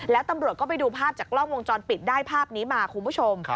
แล้วตำรวจก็ไปดูภาพจากกล้องวงจรปิดได้ภาพนี้มาคุณผู้ชม